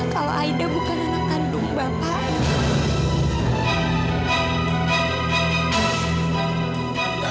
kalau aida bukan anak kandung bapak